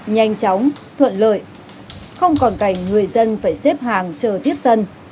nhanh chóng thuận lợi không còn cảnh người dân phải xếp hàng chờ tiếp dân